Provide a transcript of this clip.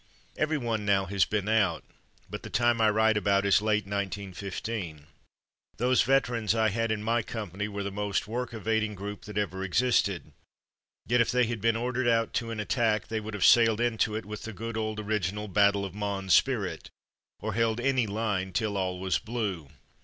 Everyone, now, has "been out," but the time I write about is late 191 5. Those veterans I had in my company were the most work evading group that ever existed, yet if they had been ordered out to an at tack they would have sailed into it with the good old original "Battle of Mons" spirit, or held any line till all was blue.